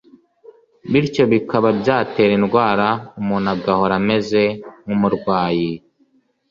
bityo bikaba byatera indwara umuntu agahora ameze nk’umurwayi